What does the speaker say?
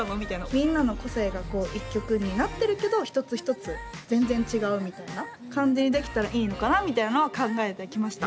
みんなの個性が１曲になってるけど一つ一つ全然違うみたいな感じにできたらいいのかなみたいのは考えてきました。